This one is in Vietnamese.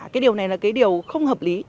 cái điều này là cái điều không hợp lý